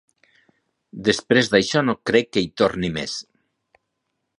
Després d'això, no crec que hi torni més.